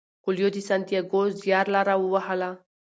کویلیو د سانتیاګو زیارلاره ووهله.